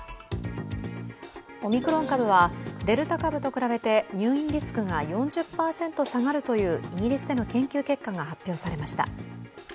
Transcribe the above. オミクロン株はデルタ株と比べて入院リスクが４０％下がるというイギリスでの研究結果が発表されました。